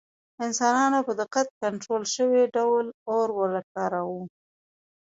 انسانانو په دقت کنټرول شوي ډول اور وکاراوه.